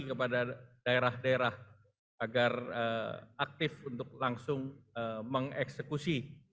kepada daerah daerah agar aktif untuk langsung mengeksekusi